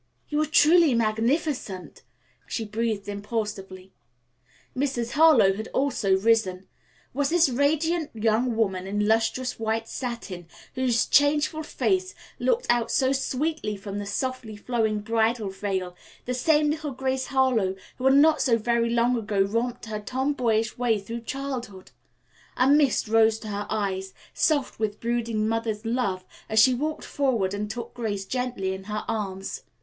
"You are truly magnificent!" she breathed impulsively. Mrs. Harlowe had also risen. Was this radiant young woman in lustrous white satin, whose changeful face looked out so sweetly from the softly flowing bridal veil, the same little Grace Harlowe who had not so very long ago romped her tom boyish way through childhood? A mist rose to her eyes, soft with brooding mother love, as she walked forward and took Grace gently in her arms.